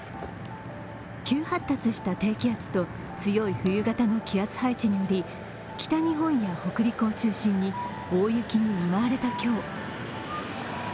急発達した低気圧と強い冬型の気圧配置により北日本や北陸を中心に大雪に見舞われた今日。